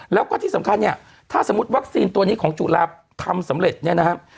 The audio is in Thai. แล้วก็ที่สำคัญเนี่ยถ้าสมมุติวัคซีนตัวนี้ของจุฬาทำสำเร็จเนี่ยนะครับ